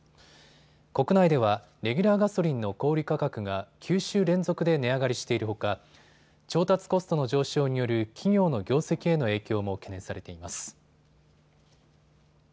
国内ではレギュラーガソリンの小売価格が９週連続で値上がりしているほか調達コストの上昇による企業の業績への影響も懸念されています。